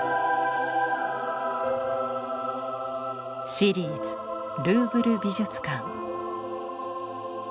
「シリーズルーブル美術館」。